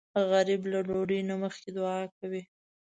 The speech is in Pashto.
غریب له ډوډۍ نه مخکې دعا کوي